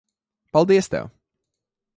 Paldies tev.